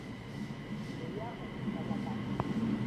Thweya umu salakane.